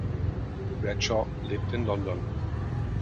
Bradshaw lebt in London.